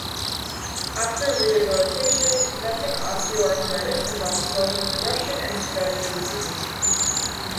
After rehabilitation, preventing osteoarthritis involves slowing the progression and spread of the disease.